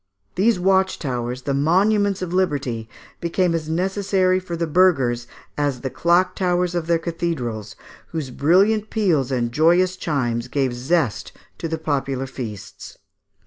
These watch towers, the monuments of liberty, became as necessary for the burghers as the clock towers of their cathedrals, whose brilliant peals and joyous chimes gave zest to the popular feasts (Fig.